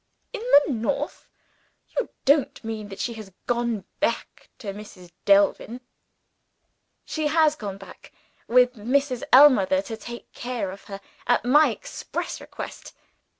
"In the North! You don't mean that she has gone back to Mrs. Delvin?" "She has gone back with Mrs. Ellmother to take care of her at my express request.